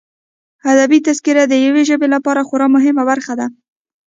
ادبي تذکرې د یوه ژبې لپاره خورا مهمه برخه ده.